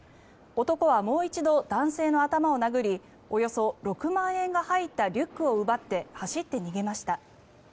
男はもう一度、男性の頭を殴りおよそ６万円が入ったリュックを奪って走って逃げました。